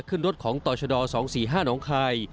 ขึ้นรถของต่อชด๒๔๕น้องคาย